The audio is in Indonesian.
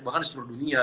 bahkan di seluruh dunia